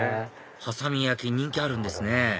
波佐見焼人気あるんですね